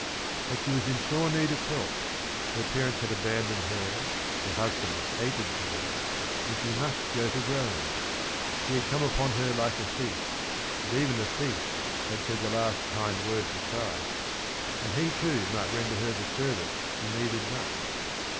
But she was in sore need of help; her parents had abandoned her, her husband hated her, and she~^5ust go to .Rome. He had come upon her like a thief, but even a thief had "said the last kind word to Christ," and he too might render her the service she needed much.